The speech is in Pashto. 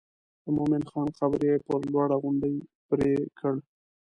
د مومن خان قبر یې پر لوړه غونډۍ پرېکړ.